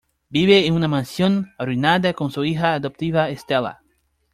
Vive en una mansión arruinada con su hija adoptiva, Estella.